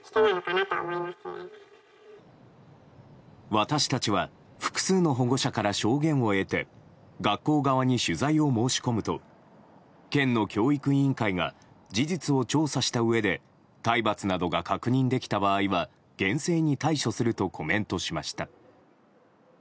私たちは複数の保護者から証言を得て学校側に取材を申し込むと県の教育委員会は事実を調査したうえで体罰などが確認できた場合は厳正に対処するとコメントしました。